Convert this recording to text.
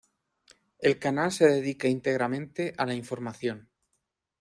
El canal se dedica íntegramente a la información.